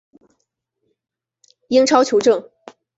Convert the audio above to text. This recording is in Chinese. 英超球证